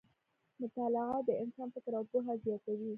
مطالعه د انسان فکر او پوهه زیاتوي.